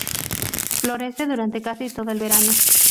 Florece durante casi todo el verano.